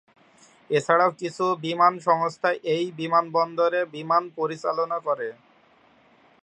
এছাড়াও কিছু বিমান সংস্থা এই বিমানবন্দরে বিমান পরিচালনা করে।